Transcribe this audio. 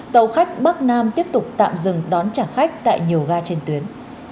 tàu khách bắc nam tiếp tục tạm dừng đón trả khách tại nhiều ga trên tuyến